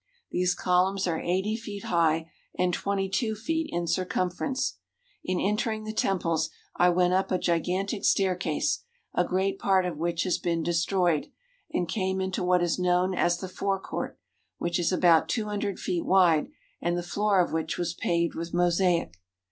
These columns are eighty feet high and twenty two feet in circumference. In entering the temples I went up a gigan tic staircase, a great part of which has been destroyed, and came into what is known as the forecourt, which is about two hundred feet wide, and the floor of which was paved with mosaic.